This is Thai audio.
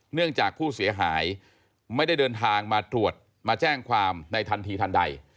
เนื่องจากผู้เสียหายไม่ได้เดินทางมาตรวจมาแจ้งความในทันทีทันใด